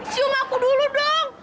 sium aku dulu dong